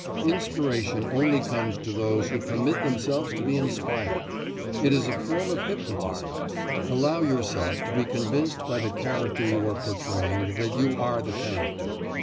Inspiration only comes to those who permit themselves to be inspired. It is a form of hypnotism. Allow yourself to be convinced by the character you are portraying that you are the character.